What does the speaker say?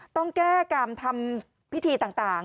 ต้องแก้กรรมทำพิธีต่าง